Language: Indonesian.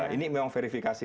ini memang verifikasi